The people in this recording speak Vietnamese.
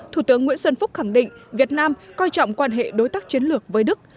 thủ tướng nguyễn xuân phúc khẳng định việt nam coi trọng quan hệ đối tác chiến lược với đức